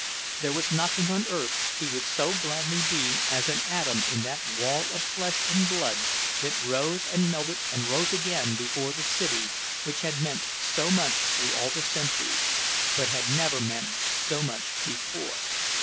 There was nothing on earth he would so gladly be as an atom in that wall of flesh and blood that rose and melted and rose again before the city which had meant so much through all the centuries but had never meant so much before.